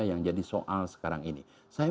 yang jadi soal sekarang ini saya